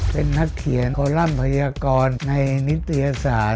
เป็นนักเขียนคอลัมปยากรในนิตยศาสตร์